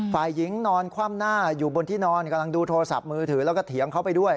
ฝ่ายหญิงนอนคว่ำหน้าอยู่บนที่นอนกำลังดูโทรศัพท์มือถือแล้วก็เถียงเขาไปด้วย